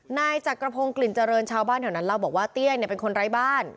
นายจักรพงศ์กลิ่นเจริญชาวบ้านแถวนั้นเล่าบอกว่าเตี้ยเป็นคนไร้บ้าน